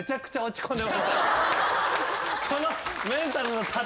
その。